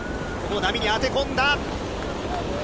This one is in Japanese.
波に当て込んだ。